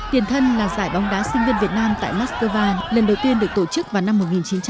tiền thân là giải bóng đá sinh viên việt nam tại moscow lần đầu tiên được tổ chức vào năm một nghìn chín trăm bảy mươi